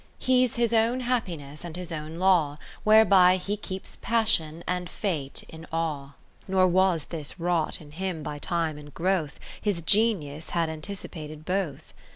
He 's his own happiness and his own law, Whereby he keeps Passion and Fate in awe. Nor was this wrought in him by Time and growth. His Genius had anticipated both.